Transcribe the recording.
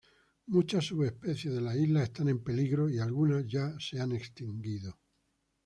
Muchas subespecies de las islas están en peligro y algunas ya se han extinguido.